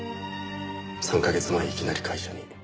３カ月前いきなり会社に。